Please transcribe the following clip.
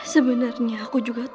sebenernya aku juga takut